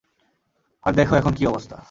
আর দেখো এখন কী অবস্থা!